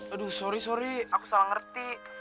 aduh sorry sorry aku salah ngerti